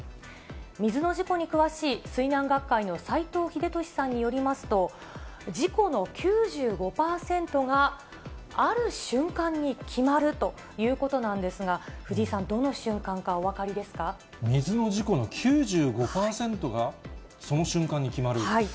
水の事故に詳しい水難学会の斎藤秀俊さんによりますと、事故の９５％がある瞬間に決まるということなんですが、藤井さん、水の事故の９５％が、その瞬間に決まる？